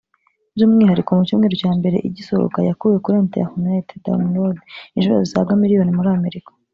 by’umwihariko mu cyumweru cya mbere igisohoka yakuwe kuri internet [download] inshuro zisaga miliyoni muri Amerika